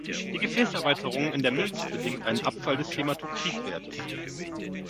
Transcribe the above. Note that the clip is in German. Die Gefäßerweiterung in der Milz bedingt einen Abfall des Hämatokrit-Wertes.